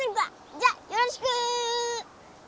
じゃよろしく！え！